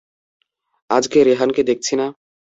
আজকে রেহানকে দেখছি না।